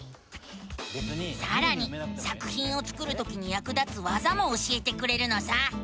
さらに作ひんを作るときにやく立つわざも教えてくれるのさ！